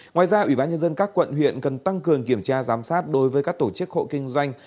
ngoài ra ủy ban nhân dân các quận huyện cần tăng cường kiểm tra giám sát đối với các tổ chức hộ kinh doanh